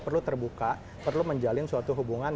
perlu terbuka perlu menjalin suatu hubungan